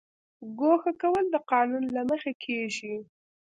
ګوښه کول د قانون له مخې کیږي